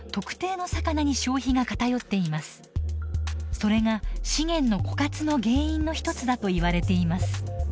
それが資源の枯渇の原因の一つだといわれています。